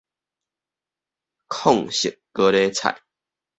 紺色高麗菜